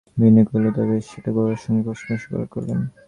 বিনয় কহিল, তা বেশ, সেটা গোরার সঙ্গে পরামর্শ করে করবেন।